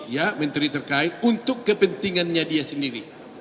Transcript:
ya menteri terkait untuk kepentingannya dia sendiri